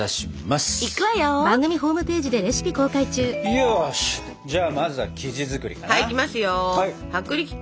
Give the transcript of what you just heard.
よしじゃあまずは生地作りかな。